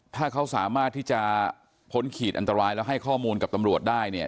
ถ้าเขาสามารถที่จะพ้นขีดอันตรายแล้วให้ข้อมูลกับตำรวจได้เนี่ย